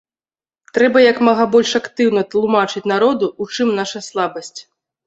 Трэба як мага больш актыўна тлумачыць народу, у чым наша слабасць.